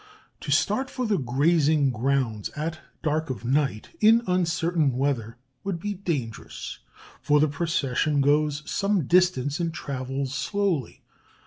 To start for the grazing grounds at dark of night, in uncertain weather, would be dangerous, for the procession goes some distance and travels slowly.